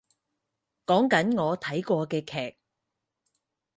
講緊我睇過嘅劇